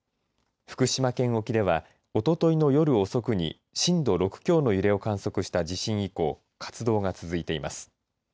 福島県沖ではおとといの夜遅くに震度６強の揺れを観測した地震以降活動が続いています。